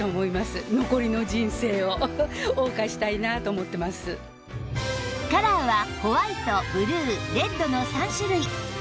そしてカラーはホワイトブルーレッドの３種類